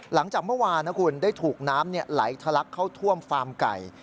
หลังจากเมื่อวานนะคุณได้ถูกน้ำไหลทะลักเข้าท่วมฟาร์มไก่